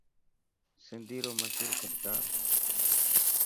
سنڌي رو مشهور فنڪار.